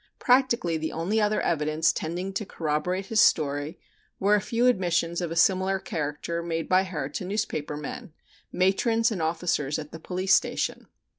Practically the only other evidence tending to corroborate his story were a few admissions of a similar character made by her to newspaper men, matrons and officers at the police station.